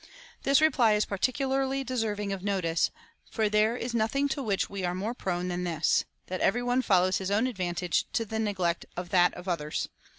This reply is parti cularly deserving of notice ; for there is nothing to which Ave are more prone ^ than this, that every one follows his own advantage, to the neglect of that of others.